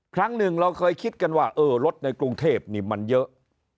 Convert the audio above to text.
ครั้งหนึ่งเราเคยคิดกันว่าเออรถในกรุงเทพนี่มันเยอะ